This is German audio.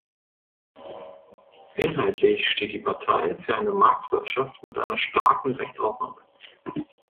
Inhaltlich steht die Partei für eine Marktwirtschaft mit einer starken Rechtsordnung.